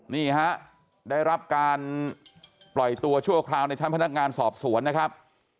นี่ฮะได้รับการปล่อยตัวชั่วคราวในชั้นพนักงานสอบสวนนะครับ